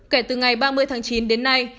kể từ ngày ba mươi tháng chín đến nay